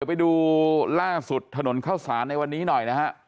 เดี๋ยวไปดูล่าสุดถนนเคราะห์ศาลในวันนี้หน่อยนะฮะ